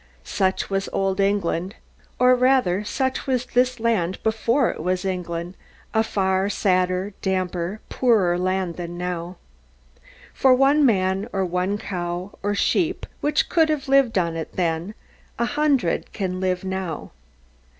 Such was old England or rather, such was this land before it was England; a far sadder, damper, poorer land than now. For one man or one cow or sheep which could have lived on it then, a hundred can live now.